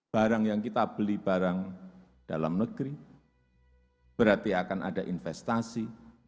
barang yang kita beli barang dalam negeri berarti akan ada investasi